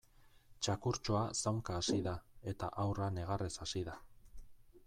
Txakurtxoa zaunka hasi da eta haurra negarrez hasi da.